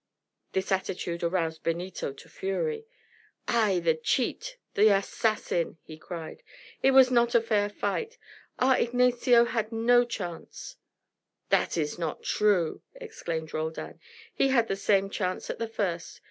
This attitude aroused Benito to fury. "Ay, the cheat! the assassin!" he cried. "It was not a fair fight. Our Ignacio had no chance " "That is not true!" exclaimed Roldan. "He had the same chance at the first.